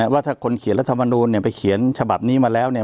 ว่าถ้าคนเขียนรัฐมนูลเนี่ยไปเขียนฉบับนี้มาแล้วเนี่ย